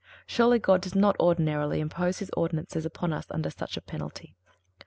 Surely God does not ordinarily impose His ordinances upon us under such a penalty.